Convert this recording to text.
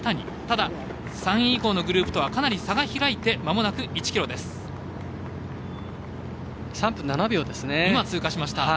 ただ、３位以降のグループとはかなり差が開いて３分７秒ですね。